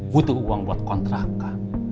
butuh uang buat kontrakan